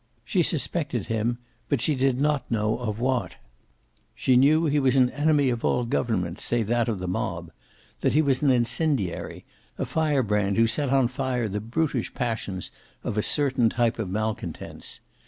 She suspected him, but she did not know of what. She knew he was an enemy of all government, save that of the mob, that he was an incendiary, a firebrand who set on fire the brutish passions of a certain type of malcontents.